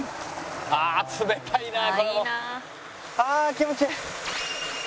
ああ気持ちいい！